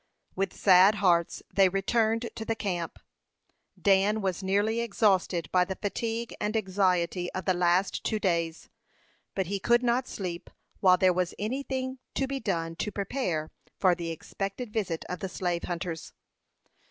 With sad hearts they returned to the camp. Dan was nearly exhausted by the fatigue and anxiety of the last two days; but he could not sleep while there was any thing to be done to prepare for the expected visit of the slave hunters.